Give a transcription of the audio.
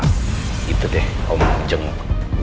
gitu deh om jenguk